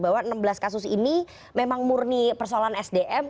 bahwa enam belas kasus ini memang murni persoalan sdm